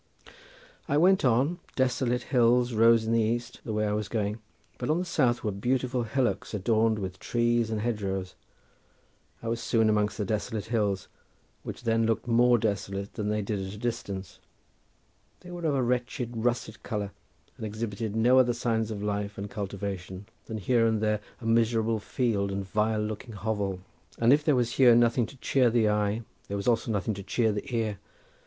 I went on—desolate hills rose in the east, the way I was going, but on the south were beautiful hillocks adorned with trees and hedge rows. I was soon amongst the desolate hills, which then looked more desolate than they did at a distance. They were of a wretched russet colour, and exhibited no other signs of life and cultivation than here and there a miserable field and vile looking hovel; and if there was here nothing to cheer the eye, there was also nothing to cheer the ear.